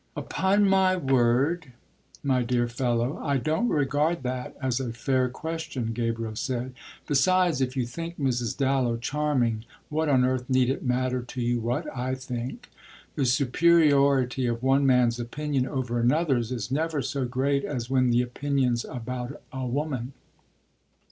"Upon my word, my dear fellow, I don't regard that as a fair question," Gabriel said. "Besides, if you think Mrs. Dallow charming what on earth need it matter to you what I think? The superiority of one man's opinion over another's is never so great as when the opinion's about a woman."